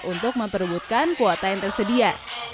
untuk memperbutkan kuota yang tersedia